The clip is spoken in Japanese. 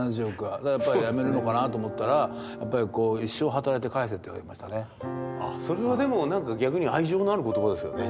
だからやっぱり辞めるのかなと思ったらそれはでも何か逆に愛情のある言葉ですよね。